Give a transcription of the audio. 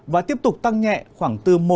và tiếp tục tăng nhẹ khoảng bốn mươi độ